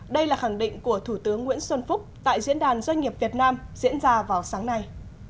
đây là khẳng định của thủ tướng nguyễn xuân phúc tại diễn đàn doanh nghiệp việt nam diễn ra vào sáng nay